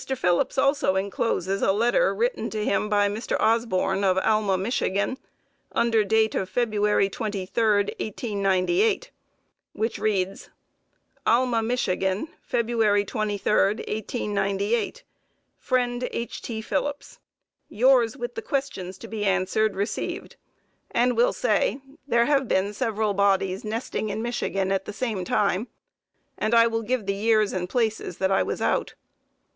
Phillips also incloses a letter written to him by Mr. Osborn, of Alma, Mich., under date of February 23, 1898, which reads: Alma, Mich., February 23, 1898. Friend H. T. Phillips: Yours with the questions to be answered received, and will say: ... There have been several bodies nesting in Michigan at the same time, and I will give the years and places that I was out.